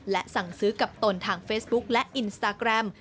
และสั่งซื้อกับตนทางเฟซบุ๊คและอินสตาแกรม